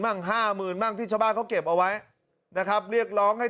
ั่งห้าหมื่นบ้างที่ชาวบ้านเขาเก็บเอาไว้นะครับเรียกร้องให้